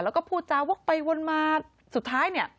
แล้วก็พูดจาวกไปวนมาสุดท้ายเนี่ย